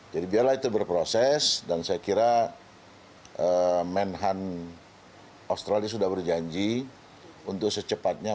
jadi biarlah itu berproses dan saya kira menhan australia sudah berjanji untuk secepatnya